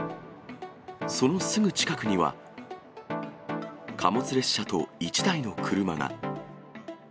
そのすぐ近くには、貨物列車と一台の車が。